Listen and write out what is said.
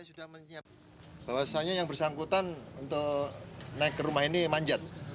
untuk naik ke rumah ini manjat